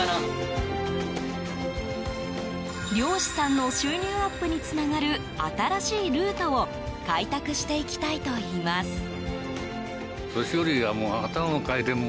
漁師さんの収入アップにつながる新しいルートを開拓していきたいといいます。